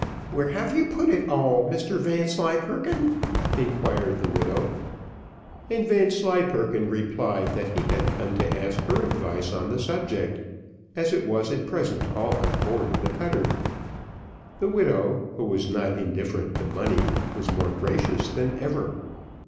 "Where have you put it all, Mr Vanslyperken?" inquired the widow. And Vanslyperken replied that he had come to ask her advice on the subject, as it was at present all on board of the cutter. The widow, who was not indifferent to money, was more gracious than ever.